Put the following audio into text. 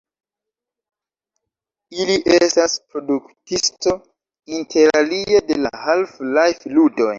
Ili estas produktisto interalie de la Half-Life-ludoj.